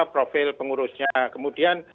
profil pengurusnya kemudian